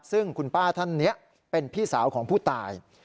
ซึ่งคุณป้าท่านนี้เป็นพี่สาวของผู้ตาย